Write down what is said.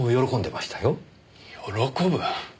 喜ぶ？